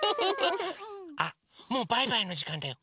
あもうバイバイのじかんだよ！